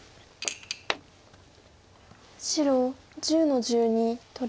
白１０の十二取り。